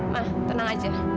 mak tenang aja